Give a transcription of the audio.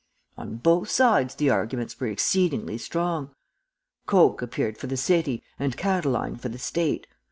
"On both sides the arguments were exceedingly strong. Coke appeared for the city and Catiline for the State.